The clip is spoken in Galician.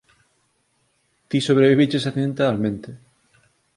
Ti sobreviviches accidentalmente.